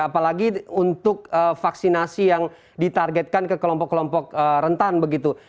apalagi untuk vaksinasi yang ditargetkan ke kelompok kelompok rentan begitu